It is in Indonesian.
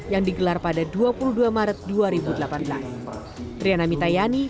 yang digelar pada dua puluh dua maret dua ribu delapan belas